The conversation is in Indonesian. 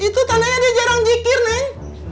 itu tandanya dia jarang jikir neng